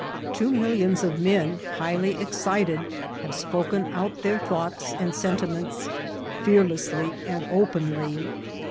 Two millions of men highly excited have spoken out their thoughts and sentiments fearlessly and openly.